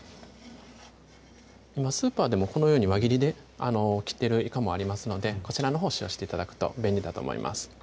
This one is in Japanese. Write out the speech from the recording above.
今スーパーでもこのように輪切りで切ってるいかもありますのでこちらのほうを使用して頂くと便利だと思います